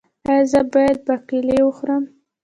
ایا زه باید باقلي وخورم؟